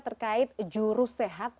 terkait jurus sehat